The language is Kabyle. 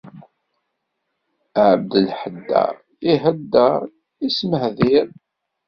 Abelheddar: ihedder, ismehdir